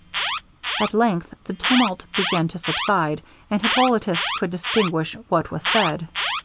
At length the tumult began to subside, and Hippolitus could distinguish what was said.